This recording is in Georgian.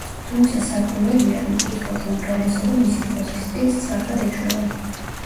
თუმცა, საკვირველია, რომ მკითხველთა უმრავლესობა მისი პროზის სტილს სწრაფად ეჩვევა.